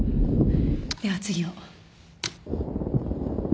では次を。